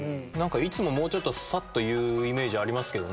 いつもさっと言うイメージありますけどね。